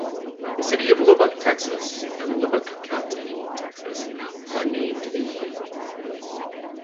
The city of Lubbock, Texas and Lubbock County, Texas are named in his honor.